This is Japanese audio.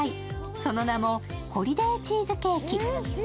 その名もホリデーチーズケーキ。